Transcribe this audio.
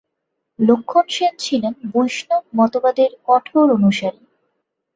লক্ষ্মণ সেন ছিলেন বৈষ্ণব মতবাদের কঠোর অনুসারী।